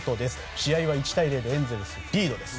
試合は１対０でエンゼルスがリードです。